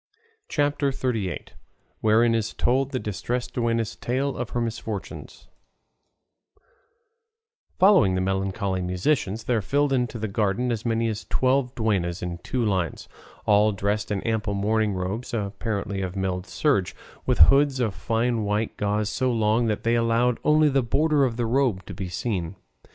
CHAPTER XXXVIII. WHEREIN IS TOLD THE DISTRESSED DUENNA'S TALE OF HER MISFORTUNES Following the melancholy musicians there filed into the garden as many as twelve duennas, in two lines, all dressed in ample mourning robes apparently of milled serge, with hoods of fine white gauze so long that they allowed only the border of the robe to be seen.